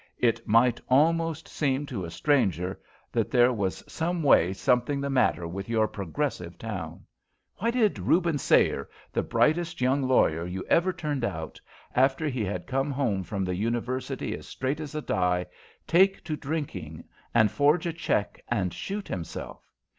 It might almost seem to a stranger that there was some way something the matter with your progressive town. Why did Ruben Sayer, the brightest young lawyer you ever turned out, after he had come home from the university as straight as a die, take to drinking and forge a check and shoot himself?